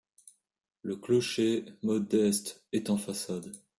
Le clocher, modeste, est en façade.